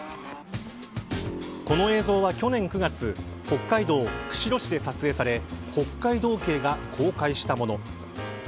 この映像は、去年９月北海道釧路市で撮影され北海道警が公開したもの。